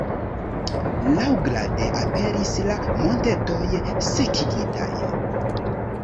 Laŭgrade, aperis la montetoj sekigitaj.